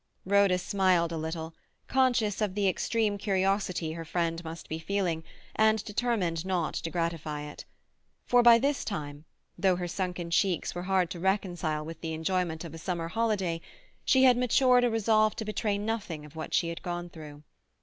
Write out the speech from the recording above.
Rhoda smiled a little, conscious of the extreme curiosity her friend must be feeling, and determined not to gratify it. For by this time, though her sunken cheeks were hard to reconcile with the enjoyment of a summer holiday, she had matured a resolve to betray nothing of what she had gone through.